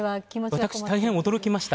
私、大変驚きました。